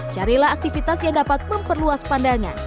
carilah aktivitas yang dapat memperluas pandangan